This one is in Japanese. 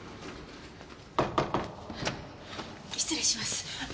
失礼します。